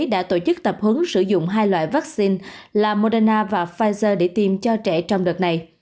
đã tổ chức tập hứng sử dụng hai loại vaccine là moderna và pfizer để tìm cho trẻ trong đợt này